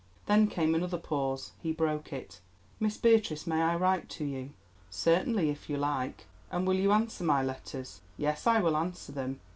Then came another pause; he broke it. "Miss Beatrice, may I write to you?" "Certainly, if you like." "And will you answer my letters?" "Yes, I will answer them."